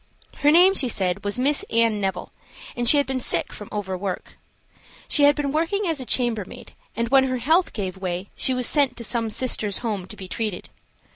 Her name, she said, was Miss Anne Neville, and she had been sick from overwork. She had been working as a chambermaid, and when her health gave way she was sent to some Sisters' Home to be treated.